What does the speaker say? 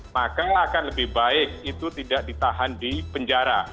maka akan lebih baik itu tidak ditahan di penjara